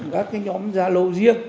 các nhóm sa lô